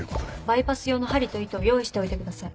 バイパス用の針と糸を用意しておいてください。